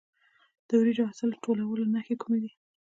د وریجو د حاصل ټولولو نښې کومې دي؟